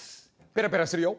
ペラペラするよ。